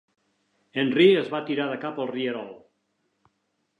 Henry es va tirar de cap al rierol.